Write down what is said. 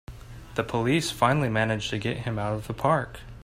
The police finally manage to get him out of the park!